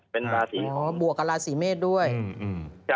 เป็นราศีอ๋อบวกกำราศีเมษด้วยอืมอืมจ้ะ